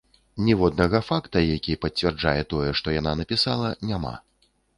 Ніводнага факта, які пацвярджае тое, што яна напісала, няма.